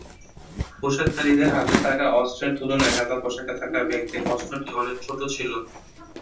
পোশাকধারীদের হাতে থাকা অস্ত্রের তুলনায় সাদাপোশাকে থাকা ব্যক্তির অস্ত্রটি অনেক ছোট ছিল।